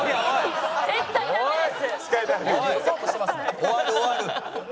終わる終わる！